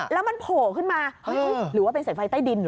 แล้วมันโผล่ขึ้นมาเฮ้ยหรือว่าเป็นสายไฟใต้ดินเห